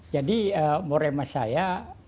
jadi morema saya